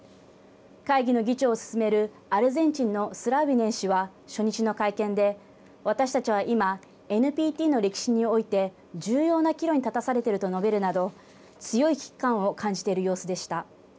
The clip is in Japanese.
会議の議長を進めるアルゼンチンのスラウビネン氏は初日の会見で私たちは今ＮＰＴの歴史において重要な岐路に立たされていると述べるなど強い危機感を感じている様子でした。